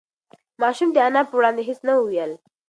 ماشوم د انا په وړاندې هېڅ نه ویل.